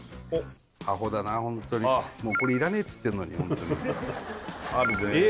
アホだなホントにもうこれいらねえっつってんのにホントにあるねえー